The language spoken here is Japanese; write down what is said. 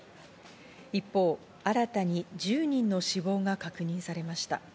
一方、新たに１０人の死亡が確認されました。